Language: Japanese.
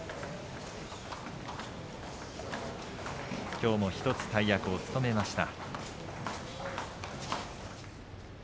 きょうも１つ大役を務めました。